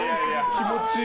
気持ちいい。